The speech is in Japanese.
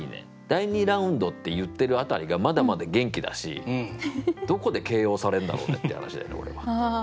「第二ラウンド」って言ってる辺りがまだまだ元気だしどこでＫＯされんだろうねって話だよねこれは。